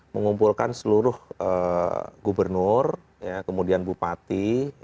mengumpulkan seluruh gubernur kemudian bupati